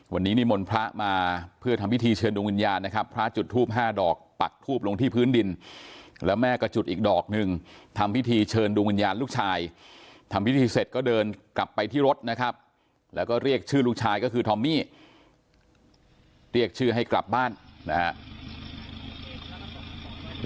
วันนี้นิมนต์พระมาเพื่อทำพิธีเชิญดวงวิญญาณนะครับพระจุดทูป๕ดอกปักทูบลงที่พื้นดินแล้วแม่ก็จุดอีกดอกหนึ่งทำพิธีเชิญดวงวิญญาณลูกชายทำพิธีเสร็จก็เดินกลับไปที่รถนะครับแล้วก็เรียกชื่อลูกชายก็คือทอมมี่เรียกชื่อให้กลับบ้านนะครับ